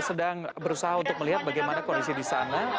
sedang berusaha untuk melihat bagaimana kondisi di sana